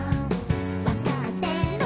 「わかってる」